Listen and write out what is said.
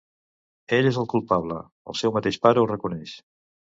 Ell és el culpable: el seu mateix pare ho reconeix!